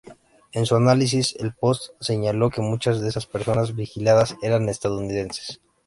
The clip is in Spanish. En su análisis, el "Post" señaló que muchas de esas personas vigiladas eran estadounidenses.